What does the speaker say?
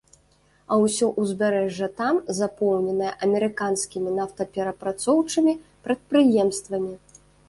А ўсё ўзбярэжжа там запоўненае амерыканскімі нафтаперапрацоўчымі прадпрыемствамі.